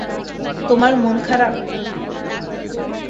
তোমার মন খারাপ?